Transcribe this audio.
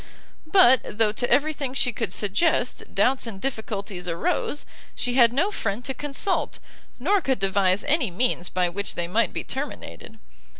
But though to every thing she could suggest, doubts and difficulties arose, she had no friend to consult, nor could devise any means by which they might be terminated.